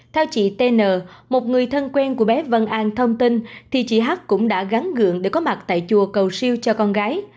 theo chị tn một người thân quen của bé văn an thông tin thì chị hát cũng đã gắn gượng để có mặt tại chùa cầu siêu cho con gái